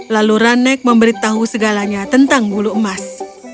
lalu ranek memberitahu segalanya tentang bulu emas